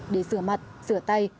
để sửa mặt sửa tay